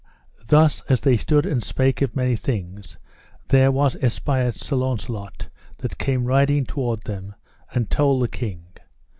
Thus, as they stood and spake of many things, there was espied Sir Launcelot that came riding toward them, and told the king.